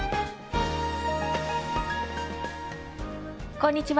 こんにちは。